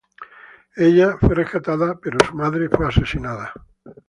Ella fue rescatada pero su madre fue asesinada.